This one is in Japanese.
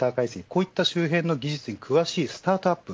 こういった周辺の技術に詳しいスタートアップ